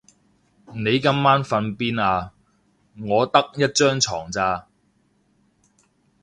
你今晚瞓邊啊？我得一張床咋